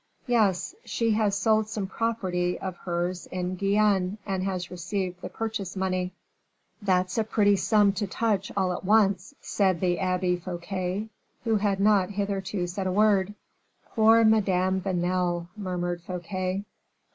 "'Yes; she has sold some property of hers in Guienne, and has received the purchase money.'" "That's a pretty sum to touch all at once," said the Abbe Fouquet, who had not hitherto said a word. "Poor Madame Vanel!" murmured Fouquet.